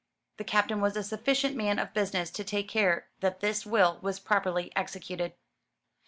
The Captain was a sufficient man of business to take care that this will was properly executed.